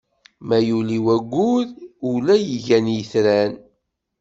Ma yuli waggur, ula igan itran.